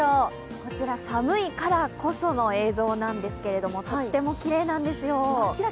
こちら寒いからこその映像なんですけれども、とってもきれいなんですよ。